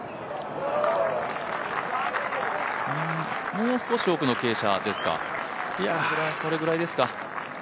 もう少し奥の傾斜ですか、これぐらいですか。